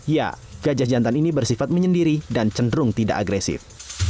ya gajah jantan ini bersifat menyendiri dan cenderung tidak agresif